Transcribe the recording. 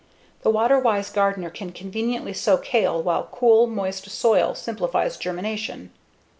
The water wise gardener can conveniently sow kale while cool, moist soil simplifies germination.